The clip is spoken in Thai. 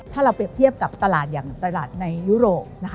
ถ้าเราเปรียบเทียบกับตลาดอย่างตลาดในยุโรปนะคะ